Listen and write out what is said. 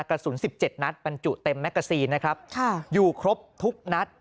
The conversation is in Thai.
กระสุน๑๗นัดบรรจุเต็มแกซีนนะครับอยู่ครบทุกนัด